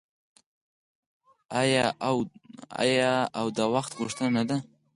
آیا او د وخت غوښتنه نه ده؟